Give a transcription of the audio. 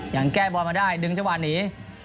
อย่างได้แก้บอดมาได้ดึงจะวัดหนี